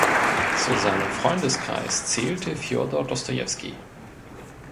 Zu seinem Freundeskreis zählten Fjodor Dostojewski.